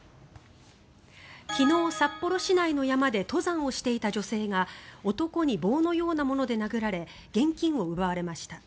昨日、札幌市内の山で登山をしていた女性が男に棒のようなもので殴られ現金を奪われました。